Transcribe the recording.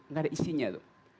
nggak ada isinya tuh